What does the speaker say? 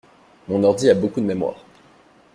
Mon ordi a beaucoup de mémoire.